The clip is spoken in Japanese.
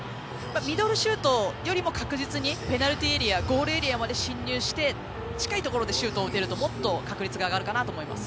ミドルシュートよりも確実にゴールエリアまで進入して近いところでシュートを打てるともっと確率は上がるかなと思います。